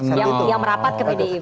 yang merapat ke pdi